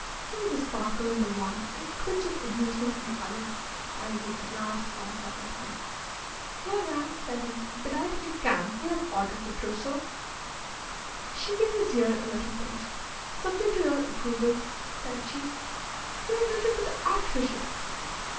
There was a sparkle in the one and a twitch of amusement in the other, as he at last glanced up at her. "Clara," said he, "deny it if you can! You have ordered the trousseau." She gave his ear a little pinch. "Subject to your approval," said she. "You have written to the Archbishop."